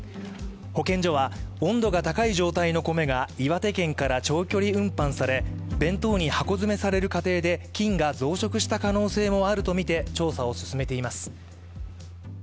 保健所は温度が高い状態の米が岩手県から長距離運搬され弁当に箱詰めされる過程で菌が増殖した可能性もあるとみて調査を進めています。